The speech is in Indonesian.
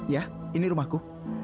ya ini rumahku